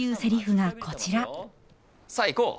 さあ行こう！